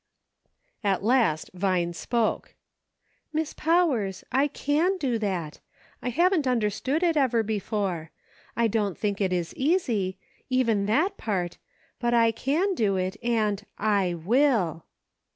At last Vine spoke :" Miss Powers, I can do that ; I haven't under stood it ever before ; I don't think it is easy ; even that part, but I can do it, and I WILL."